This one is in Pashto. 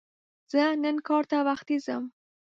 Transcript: زه نن کار ته وختي ځم